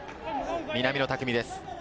南野拓実です。